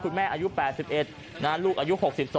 แม่อายุ๘๑ลูกอายุ๖๒